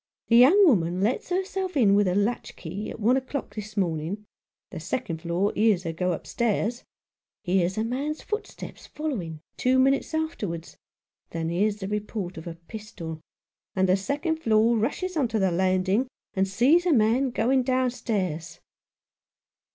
The young woman lets herself in with her latch key at one o'clock this morning — the second floor hears her go upstairs — hears a man's footsteps following, two minutes afterwards, then hears the report of a pistol, and the second floor rushes on to the landing and sees a man going downstairs."